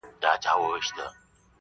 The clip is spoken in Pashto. بې منزله مساپره خیر دي نسته په بېړۍ کي!.